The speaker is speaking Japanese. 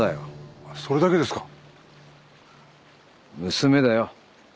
娘だよ。